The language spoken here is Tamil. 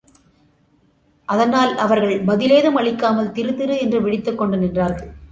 அதனால் அவர்கள் பதிலேதும் அளிக்காமல் திருதிரு என்று விழித்துக்கொண்டு நின்றார்கள்.